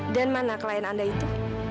dan mana klien anda itu